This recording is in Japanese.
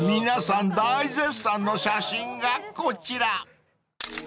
［皆さん大絶賛の写真がこちら］